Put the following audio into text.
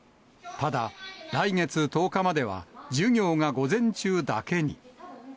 ただ、来月１０日までは授業が午前中だけに。